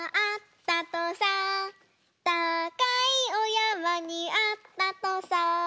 たかいおやまにあったとさ」